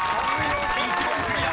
［１問クリア！